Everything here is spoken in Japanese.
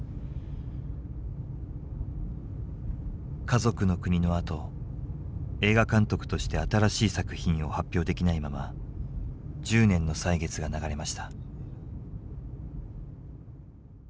「かぞくのくに」のあと映画監督として新しい作品を発表できないまま１０年の歳月が流れました。